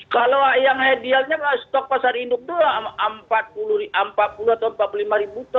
kalau yang idealnya stok pasar hidup itu rp empat puluh atau rp empat puluh lima